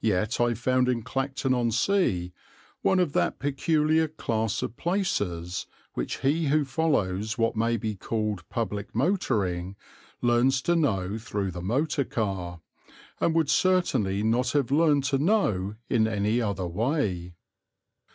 Yet I found in Clacton on Sea one of that peculiar class of places which he who follows what may be called public motoring learns to know through the motor car, and would certainly not have learned to know in any other way.